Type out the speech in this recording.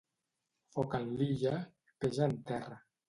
Foc en l'Illa, peix en terra.